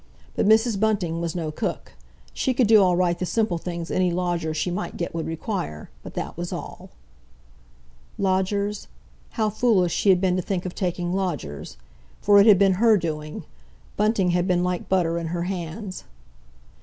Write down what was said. But Mrs. Bunting was no cook. She could do all right the simple things any lodger she might get would require, but that was all. Lodgers? How foolish she had been to think of taking lodgers! For it had been her doing. Bunting had been like butter in her hands.